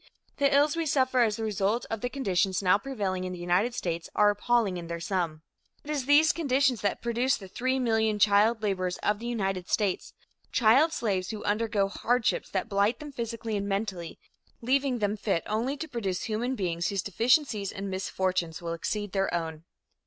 The ills we suffer as the result of the conditions now prevailing in the United States are appalling in their sum. It is these conditions that produce the 3,000,000 child laborers of the United States; child slaves who undergo hardships that blight them physically and mentally, leaving them fit only to produce human beings whose deficiencies and misfortunes will exceed their own.